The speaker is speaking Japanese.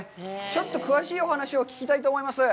ちょっと詳しいお話を聞きたいと思います。